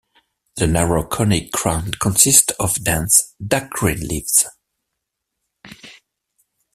The narrow conic crown consists of dense, dark-green leaves.